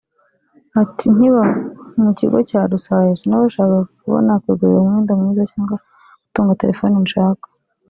Ati” Nkiba mu kigo cya Rusayo sinabashaga kuba nakwigurira umwenda mwiza cyangwa gutunga telefoni nshaka